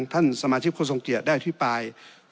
ท่านสมาชิกคนทรงเกียรติได้อภิปาย